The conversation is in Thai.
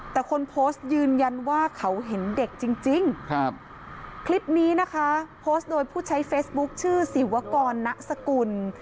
แต่คนโพสต์ยืนยันว่าเขาเห็นเด็กจริงคลิปนี้นะคะโพสต์โดยผู้ใช้เฟซบุ๊คชื่อศิวกรณสกุล